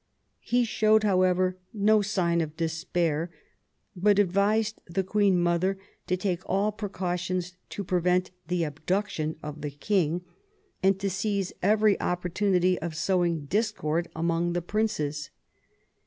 He showed, how ever, no sign of despair, but advised the queen mother to take all precautions to prevent the abduction of the king, and to seize every opportunity of sowing discord among the princes.